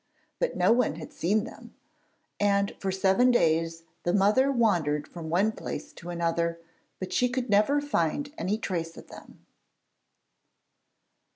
But no one had seen them; and for seven days the mother wandered from one place to another, but she could never find any trace of them.